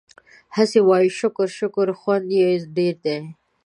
هسې وايو شکر شکر خوند يې ډېر دی